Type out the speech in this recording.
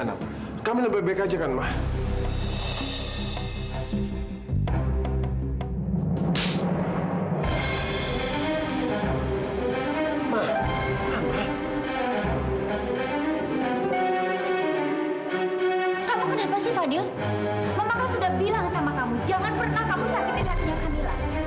jangan pernah kamu sakiti hatinya kamila